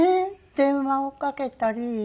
電話をかけたり。